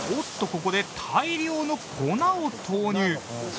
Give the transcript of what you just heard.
ここで大量の粉を投入。